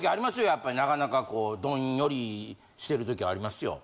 やっぱりなかなかこうどんよりしてる時ありますよ。